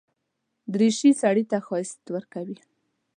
دریشي سړي ته ښايست ورکوي.